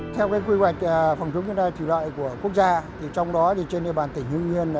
theo quy hoạch phòng chống thiên tai thủy lợi của quốc gia trong đó trên địa bàn tỉnh hương yên